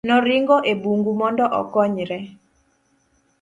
noringo e bungu mondo okonyre